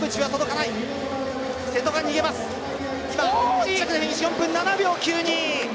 １着フィニッシュ、４分７秒９２瀬戸。